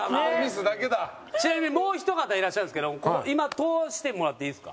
ちなみにもうひと方いらっしゃるんですけど今通してもらっていいですか？